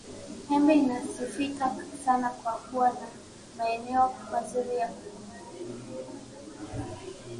Pemba inasifika sana kwa kuwa na maeneo mazuri ya kupigambizi